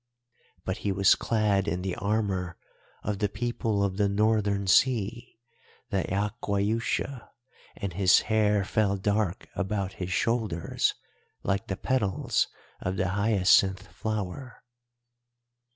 But he was clad in the armour of the people of the Northern Sea, the Aquaiusha, and his hair fell dark about his shoulders like the petals of the hyacinth flower.